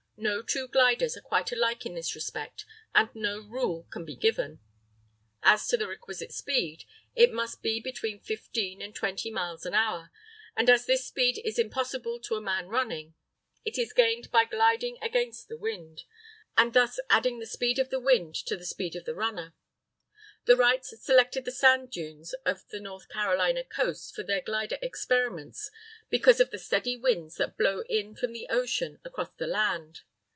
No two gliders are quite alike in this respect, and no rule can be given. As to the requisite speed, it must be between 15 and 20 miles an hour; and as this speed is impossible to a man running, it is gained by gliding against the wind, and thus adding the speed of the wind to the speed of the runner. The Wrights selected the sand dunes of the North Carolina coast for their glider experiments because of the steady winds that blow in from the ocean, across the land.